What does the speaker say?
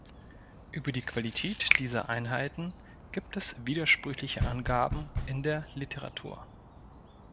Über die Qualität dieser Einheiten gibt es widersprüchliche Angaben in der Literatur.